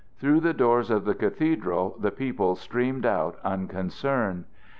Through the doors of the cathedral the people streamed out unconcerned.